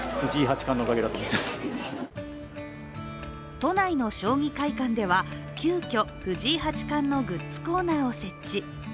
都内の将棋会館では急きょ藤井八冠のグッズコーナーを設置。